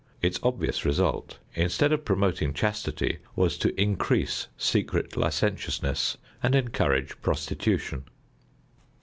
Its obvious result, instead of promoting chastity was to increase secret licentiousness and encourage prostitution.